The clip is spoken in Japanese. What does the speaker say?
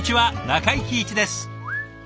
中井貴一です。